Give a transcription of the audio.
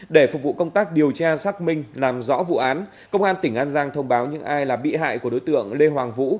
để phục vụ công tác điều tra xác minh làm rõ vụ án công an tỉnh an giang thông báo những ai là bị hại của đối tượng lê hoàng vũ